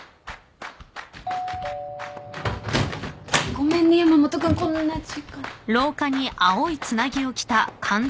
ごめんね山本君こんな時間。